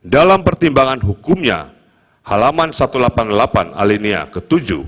dalam pertimbangan hukumnya halaman satu ratus delapan puluh delapan alinia ke tujuh